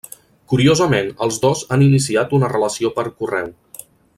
Curiosament, els dos han iniciat una relació per correu.